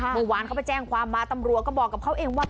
เมื่อวานเขาไปแจ้งความมาตำรวจก็บอกกับเขาเองว่า